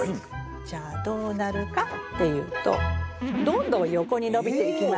じゃあどうなるかっていうとどんどん横に伸びてきます。